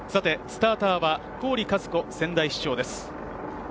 スターターは郡和子仙台市長です。